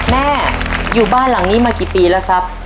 แม่อยู่บ้านหลังนี้มากี่ปีแล้วครับ